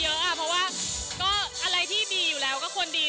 เยอะเพราะว่าก็อะไรที่ดีอยู่แล้วก็ควรดี